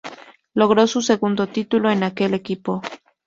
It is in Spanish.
Logro su segundo título con aquel equipo.